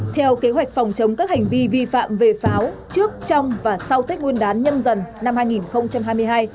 theo kế hoạch phòng chống các hành vi vi phạm về pháo trước trong và sau tết nguyên đán nhâm dần năm hai nghìn hai mươi hai